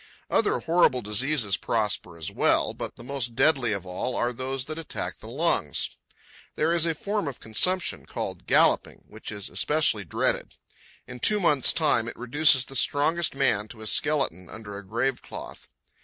Other horrible diseases prosper as well, but the most deadly of all are those that attack the lungs. There is a form of consumption called "galloping," which is especially dreaded. In two months' time it reduces the strongest man to a skeleton under a grave cloth.